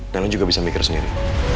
dan lo juga bisa mikir sendiri